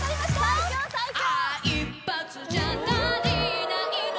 最強最強！